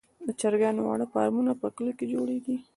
د چرګانو واړه فارمونه په کليو کې جوړیږي.